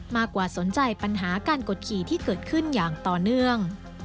มากกว่าสนใจปัญหาการกดขี่ที่เกิดขึ้นอย่างต่อเนื่อง